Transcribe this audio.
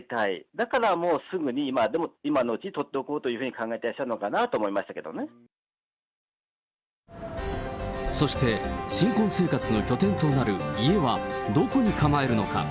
だからもうすぐに今のうちに取っておこうというふうに考えてらっそして、新婚生活の拠点となる家は、どこに構えるのか。